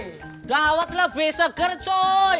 sedawat lebih seger cuy